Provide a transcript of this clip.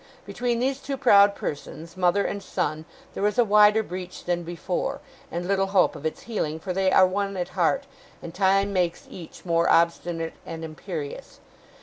Between these two proud persons, mother and son, there is a wider breach than before, and little hope of its healing, for they are one at heart, and time makes each more obstinate and imperious.